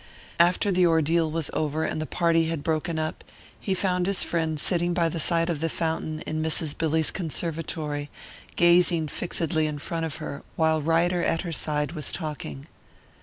After the ordeal was over and the party had broken up, he found his friend sitting by the side of the fountain in Mrs. Billy's conservatory, gazing fixedly in front of her, while Ryder at her side was talking.